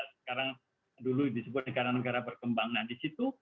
sekarang dulu disebut negara negara berkembang nah disitu